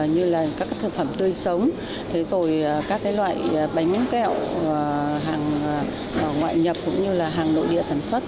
như là các thực phẩm tươi sống các loại bánh muống kẹo hàng ngoại nhập cũng như hàng nội địa sản xuất